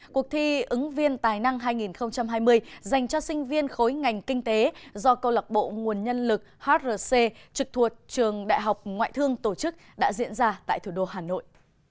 cuộc thi ứng viên tài năng hai nghìn hai mươi dành cho sinh viên khối ngành kinh tế do câu lạc bộ nguồn nhân lực hrc trực thuộc trường đại học ngoại thương tổ chức đã diễn ra tại thủ đô hà nội